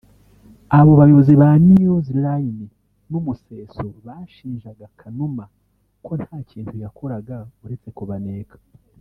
Abo bayobozi ba NewsLine n’Umuseso bashinjaga Kanuma ko nta kindi yakoraga uretse kubaneka